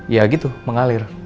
ya gitu mengalir